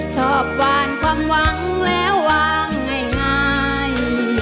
ชอบหวานความหวังแล้ววางง่าย